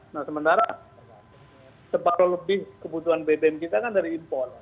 nah sementara separuh lebih kebutuhan bbm kita kan dari impor